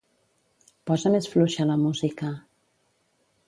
Posa més fluixa la música.